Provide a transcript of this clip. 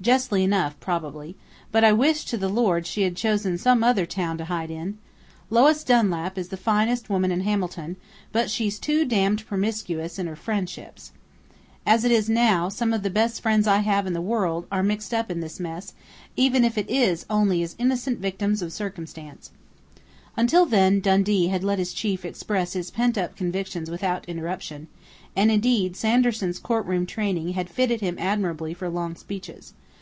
Justly enough, probably, but I wish to the Lord she had chosen some other town to hide in. Lois Dunlap is the finest woman in Hamilton, but she's too damned promiscuous in her friendships. As it is now, some of the best friends I have in the world are mixed up in this mess, even if it is only as innocent victims of circumstance " Until then Dundee had let his chief express his pent up convictions without interruption, and indeed Sanderson's courtroom training had fitted him admirably for long speeches.